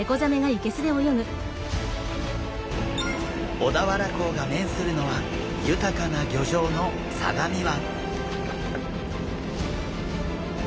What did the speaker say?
小田原港が面するのは豊かな漁場の相模湾。